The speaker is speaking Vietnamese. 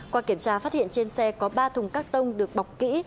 qua kiểm tra phát hiện trên xe có ba thùng cắt tông được bọc kỹ